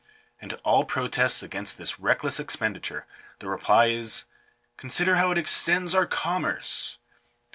And to all protests against this reckless expenditure, the reply is —" Consider how it extends our commerce."